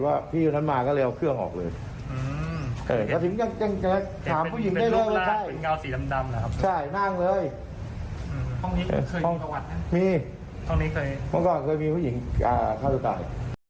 ห้องนี้เคยมีผู้หญิงเข้าจากตาย